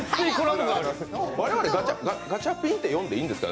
我々ガチャピンって呼んでいいんですか？